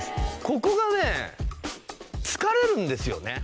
ここがね疲れるんですよね。